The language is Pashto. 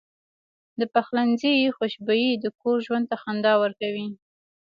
د پخلنځي خوشبويي د کور ژوند ته خندا ورکوي.